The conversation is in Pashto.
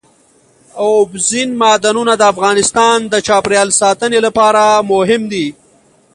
اوبزین معدنونه د افغانستان د چاپیریال ساتنې لپاره مهم دي.